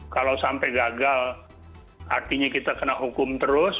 kalau sampai gagal artinya kita kena hukum terus